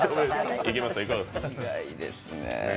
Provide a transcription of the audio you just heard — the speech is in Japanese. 苦いですね。